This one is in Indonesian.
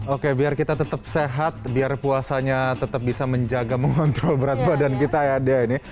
oke biar kita tetap sehat biar puasanya tetap bisa menjaga mengontrol berat badan kita ya dea ini